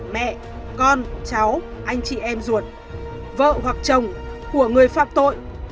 mẹ con cháu anh chị em ruột vợ hoặc chồng của người phạm tội